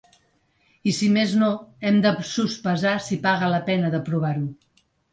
I, si més no, hem de sospesar si paga la pena de provar-ho.